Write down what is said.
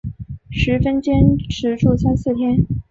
十分坚持住三四天